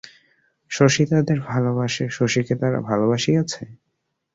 শশী তাদের ভালোবাসে, শশীকে তারা ভালোবাসিয়াছে?